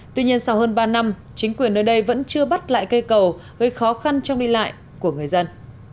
tuy nhiên sau hơn ba năm chính quyền nơi đây vẫn chưa bắt lại cây cầu gây khó khăn trong đi lại của người dân